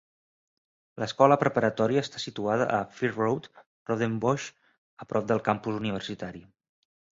L'escola preparatòria està situada a Fir Road, Rondebosch, a prop del campus universitari.